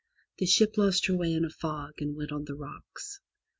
The ship lost her way in a fog, and went on the rocks.